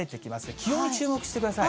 気温に注目してください。